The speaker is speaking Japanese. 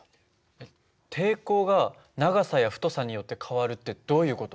えっ抵抗が長さや太さによって変わるってどういう事？